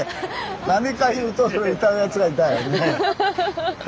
何か言うとそれ歌うやつがいたよね。